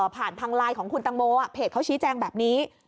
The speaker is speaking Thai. ผ่านทางไลน์ของคุณตังโมเพจเขาชี้แจงแบบนี้